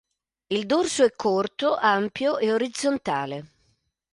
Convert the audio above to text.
Il dorso è corto, ampio e orizzontale.